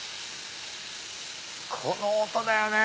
この音だよね！